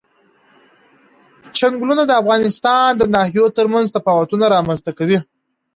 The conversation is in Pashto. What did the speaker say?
چنګلونه د افغانستان د ناحیو ترمنځ تفاوتونه رامنځ ته کوي.